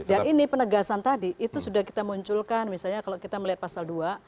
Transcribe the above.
dan ini penegasan tadi itu sudah kita munculkan misalnya kalau kita melihat pasal dua